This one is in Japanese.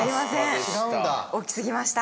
大きすぎました。